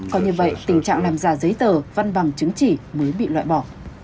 còn như vậy tình trạng làm giả giấy tờ văn bằng chứng chỉ mới bị loại bỏ